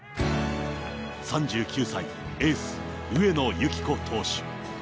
３９歳、エース上野由岐子投手。